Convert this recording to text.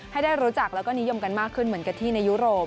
ให้ได้รู้จักแล้วก็นิยมกันมากขึ้นเหมือนกับที่ในยุโรป